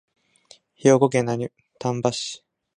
兵庫県丹波市